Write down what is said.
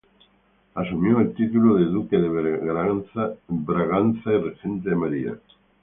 Asumió el título de duque de Braganza y regente de María.